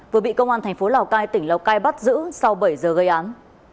vừa bị công an tp lào cai tỉnh lào cai bắt giữ sau bảy giờ gây án